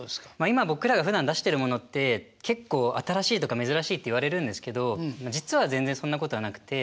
今僕らがふだん出してるものって結構新しいとか珍しいって言われるんですけど実は全然そんなことはなくて。